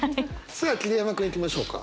さあ桐山君いきましょうか。